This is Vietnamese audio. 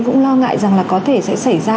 cũng lo ngại rằng là có thể sẽ xảy ra